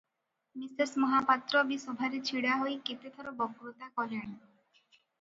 Mrs Mahapatra ବି ସଭାରେ ଛିଡ଼ା ହୋଇ କେତେଥର ବକ୍ତୃତା କଲେଣି ।